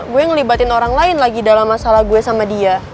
gue yang ngelibatin orang lain lagi dalam masalah gue sama dia